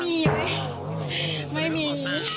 ไม่มีเลยไม่มี